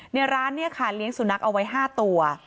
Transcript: ร้านเนี่ยค่ะเลี้ยงสุนัขเอาไว้๕ตัว